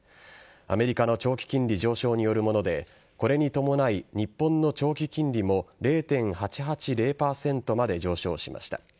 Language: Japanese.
アメリカの長期金利上昇によるものでこれに伴い日本の長期金利も０．８８０％まで上昇しました。